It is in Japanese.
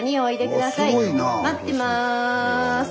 待ってます。